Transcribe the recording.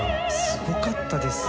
すごかったです。